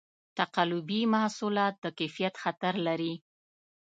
تقلبي محصولات د کیفیت خطر لري.